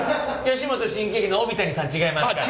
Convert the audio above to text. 吉本新喜劇の帯谷さん違いますから。